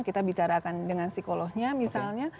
kita bicarakan dengan psikolognya misalnya